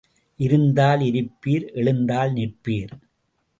இருந்தால் இருப்பீர் எழுந்தால் நிற்பீர்.